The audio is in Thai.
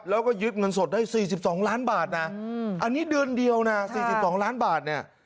แล้วก็ยึดเงินสดได้๔๒ล้านบาทนะอันนี้เดือนเดียวนะ๔๒ล้านบาทเนี่ย